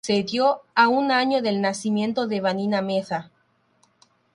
Se dio a un año del nacimiento de Vanina Meza.